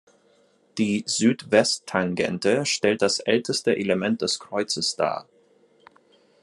Die Südwesttangente stellt das älteste Element des Kreuzes dar.